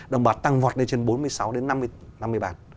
đồng bạc tăng vọt lên trên bốn mươi sáu năm mươi bạc